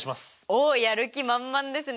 おっやる気満々ですね！